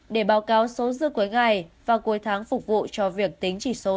để báo cáo số dư cuối ngày và cuối tháng phục vụ cho việc tính chỉ số